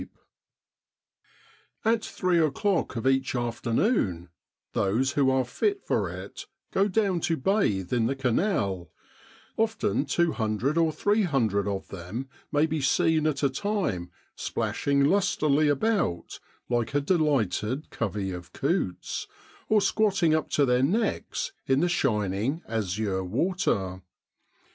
in Egypt At three o'clock of each afternoon those who are fit for it go down to bathe in the Canal often 200 or 300 of them may be seen at a time splashing lustily about, like a delighted covey of coots, or squatting up to their necks in the shining, azure water.